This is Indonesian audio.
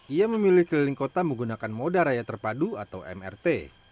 ia memilih keliling kota menggunakan moda raya terpadu atau mrt